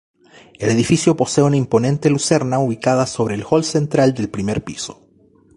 El edificio posee una imponente lucerna ubicada sobre el hall central del primer piso.